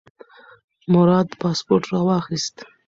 مراد پاسپورت راواخیست.